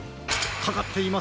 かかっています！